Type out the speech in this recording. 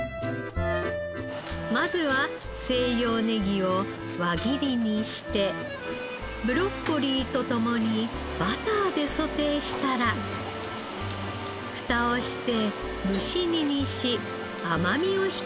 まずは西洋ネギを輪切りにしてブロッコリーと共にバターでソテーしたら蓋をして蒸し煮にし甘みを引き出します。